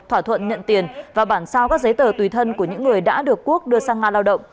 thỏa thuận nhận tiền và bản sao các giấy tờ tùy thân của những người đã được quốc đưa sang nga lao động